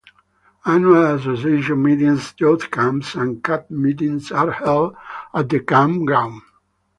Annual association meetings, youth camps and campmeetings are held at the campground.